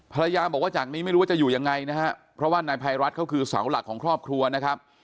ภรรยาบอกว่าจากนี้ไม่รู้ว่าจะอยู่ยังไงนะฮะเพราะว่านายภัยรัฐเขาคือเสาหลักของครอบครัวนะครับ